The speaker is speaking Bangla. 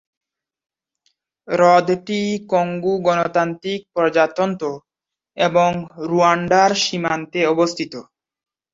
হ্রদটি কঙ্গো গণতান্ত্রিক প্রজাতন্ত্র এবং রুয়ান্ডা-র সীমান্তে অবস্থিত।